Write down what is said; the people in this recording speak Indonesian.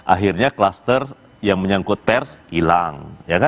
akhirnya kluster yang menyangkut pers hilang